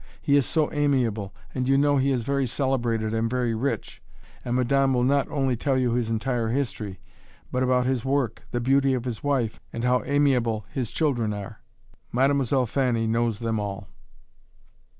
He is so amiable, and, you know, he is very celebrated and very rich"; and madame will not only tell you his entire history, but about his work the beauty of his wife and how "aimables" his children are. Mademoiselle Fanny knows them all.